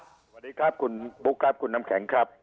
สวัสดีครับคุณบุ๊คครับคุณน้ำแข็งครับ